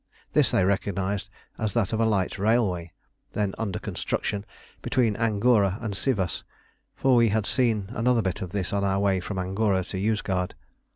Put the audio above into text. This they recognised as that of a light railway, then under construction, between Angora and Sivas, for we had seen another bit of this on our way from Angora to Yozgad.